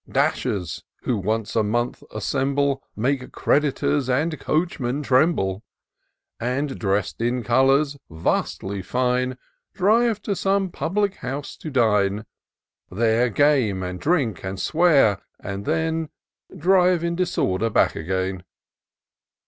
Dashers ! who once a month assemble; Make creditors and coachmen tremble ; And, dress'd in colours vastly fine. Drive to some public house to dine ; There game, and drink, and swear^ and then Drive in disorder back again.